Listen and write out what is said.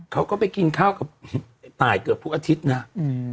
เขาก็ไปกินข้าวกับตายเกือบทุกอาทิตย์นะอืม